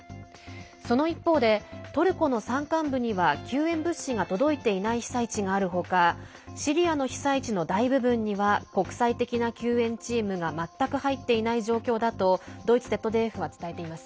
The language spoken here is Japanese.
その一方で、トルコの山間部には救援物資が届いていない被災地がある他シリアの被災地の大部分には国際的な救援チームが全く入っていない状況だとドイツＺＤＦは伝えています。